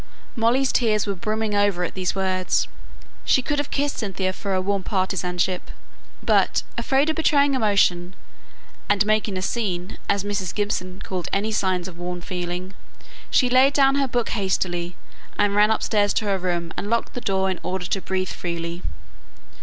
Molly's tears were brimming over at these words; she could have kissed Cynthia for her warm partisanship, but, afraid of betraying emotion, and "making a scene," as Mrs. Gibson called any signs of warm feeling, she laid down her book hastily, and ran upstairs to her room, and locked the door in order to breathe freely.